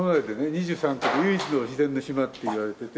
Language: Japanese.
２３区で唯一の自然の島って言われてて。